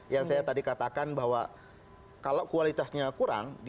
yang saya tadi katakan bahwa kalau kualitasnya kurang